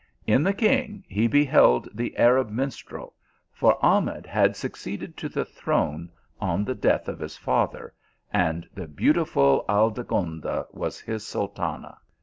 In the king, he beheld the Arab minstrel, for Ah med had succeeded to the throne on the death of his father, and the beautiful Aldegonda was bis Sultana.